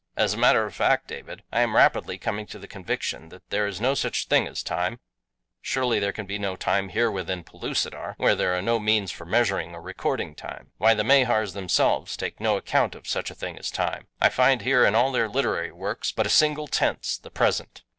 As a matter of fact, David, I am rapidly coming to the conviction that there is no such thing as time surely there can be no time here within Pellucidar, where there are no means for measuring or recording time. Why, the Mahars themselves take no account of such a thing as time. I find here in all their literary works but a single tense, the present.